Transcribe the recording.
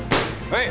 はい！